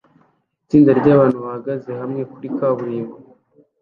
Itsinda ryabantu bahagaze hamwe kuri kaburimbo